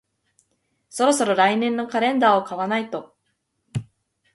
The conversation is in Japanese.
そろそろ来年のカレンダーを買わないと